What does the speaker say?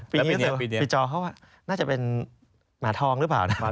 ปีนี้ก็จะเป็นปีจอน่าจะเป็นหมาทองรึเปล่านะ